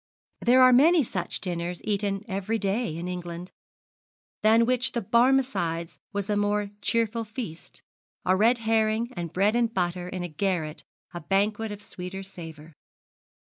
There are many such dinners eaten every day in England than which the Barmecide's was a more cheerful feast, a red herring and bread and butter in a garret a banquet of sweeter savour.